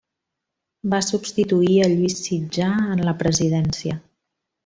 Va substituir a Lluís Sitjar en la presidència.